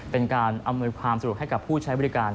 เป็นการอำนวยความสะดวกให้กับผู้ใช้บริการ